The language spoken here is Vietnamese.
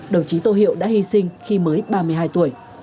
đồng chí tô hiệu đã hy sinh khi mới ba mươi hai tuổi